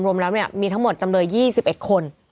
รวมแล้วมีทั้งหมดจำเลย๒๑คน